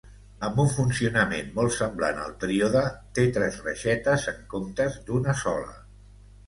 Amb un funcionalment molt semblant al tríode, té tres reixetes en comptes d'una sola.